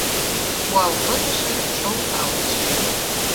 Пуал пытыше шолталче